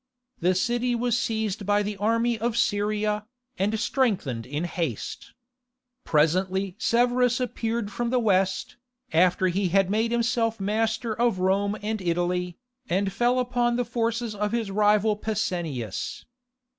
The city was seized by the army of Syria, and strengthened in haste. Presently Severus appeared from the west, after he had made himself master of Rome and Italy, and fell upon the forces of his rival Pescennius.